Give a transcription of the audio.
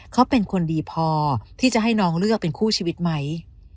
เขาเป็นคนดีพอที่จะให้น้องเลือกเป็นคู่ชีวิตไหม